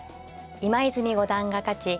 今泉五段が勝ち